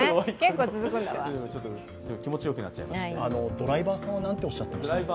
ドライバーさんはなんておっしゃってましたか？